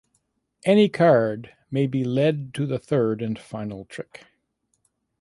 Any card may be led to the third and final trick.